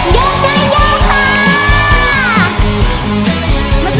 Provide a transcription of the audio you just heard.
เยอะได้เยอะค่ะ